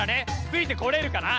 ついてこれるかな？